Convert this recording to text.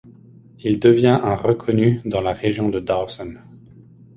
Il devient un reconnu dans la région de Dawson.